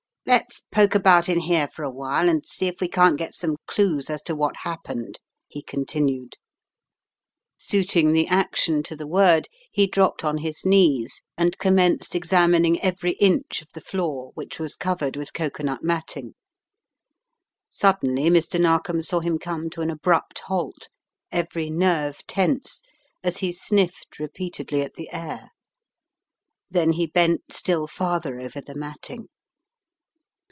"Let's poke about in here for a while and see if we can't get some clues as to what happened," he continued. Suiting the action to the word, he dropped on his knees, and commenced examining every inch of the floor which was covered with cocoanut matting. Suddenly Mr. Narkom saw him come to an abrupt halt, every nerve tense, as he sniffed re peatedly at the air. Then he bent still farther over the matting.